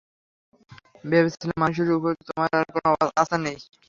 ভেবেছিলাম মানুষের উপর তোমার আর কোনো আস্থা নেই।